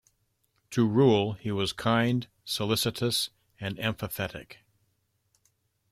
To Rule, he was "kind, solicitous, and empathetic".